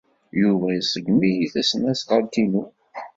Yuba iṣeggem-iyi tasnasɣalt-inu.